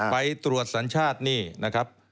ไปตรวจสัญชาตินี่นะครับ